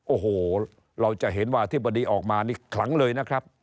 โอ้โหเราจะเห็นว่าอธิบดีออกมานี่ขลังเลยนะครับ